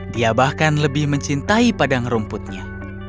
dia bahkan lebih mencintai padang rumputnya